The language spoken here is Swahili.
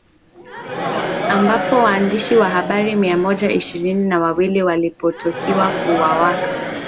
ambapo waandishi wa habari mia moja ishirini na wawili waliripotiwa kuuwawa